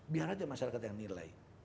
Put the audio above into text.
biar aja masyarakat yang nilai